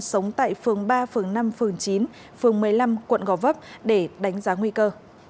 sống tại phường ba phường năm phường chín phường một mươi năm quận gò vấp để đánh giá nguy cơ